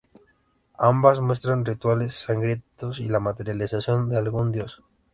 Ambas muestran rituales sangrientos y la materialización de algún dios.